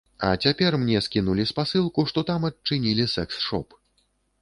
А цяпер мне скінулі спасылку, што там адчынілі сэкс-шоп.